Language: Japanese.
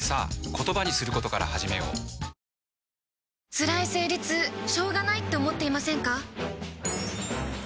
つらい生理痛しょうがないって思っていませんか？